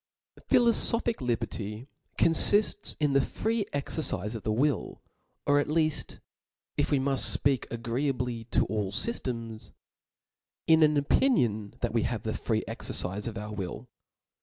pHilofophical liberty confifts in the free exercife * of the will ; or at lead, if we muft fpeak agree ably to all fyftems, in an opinion that we have the free exercife of our will.